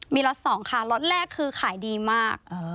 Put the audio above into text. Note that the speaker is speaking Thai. มีล้อนด์สองค่ะล้อนด์แรกคือขายดีมาก